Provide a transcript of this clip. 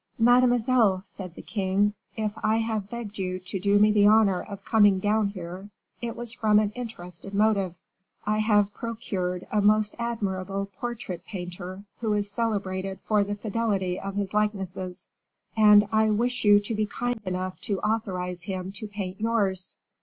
"Mademoiselle," said the king, "if I have begged you to do me the honor of coming down here, it was from an interested motive. I have procured a most admirable portrait painter, who is celebrated for the fidelity of his likenesses, and I wish you to be kind enough to authorize him to paint yours.